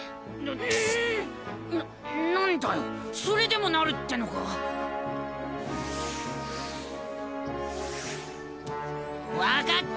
それでもなるってのか。